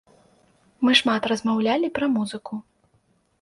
Мы шмат размаўлялі пра музыку.